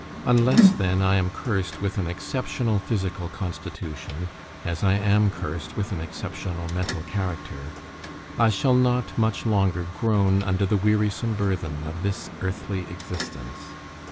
Unless, then, I am cursed with an exceptional physical constitution, as I am cursed with an exceptional mental character, I shall not much longer groan under the wearisome burthen of this earthly existence.